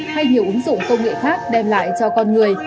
hay nhiều ứng dụng công nghệ khác đem lại cho con người